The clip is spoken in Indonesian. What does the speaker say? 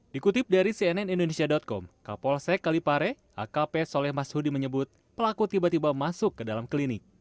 dikutip dari cnn indonesia com kapolsek kalipare akp soleh masudi menyebut pelaku tiba tiba masuk ke dalam klinik